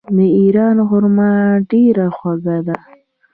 د ایران خرما ډیره خوږه ده.